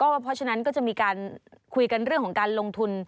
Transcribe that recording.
เพราะฉะนั้นก็จะมีการคุยกันเรื่องของการลงทุน